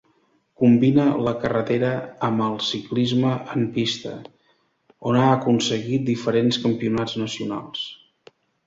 Combina la carretera amb el ciclisme en pista, on ha aconseguit diferents campionats nacionals.